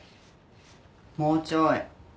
もうちょい。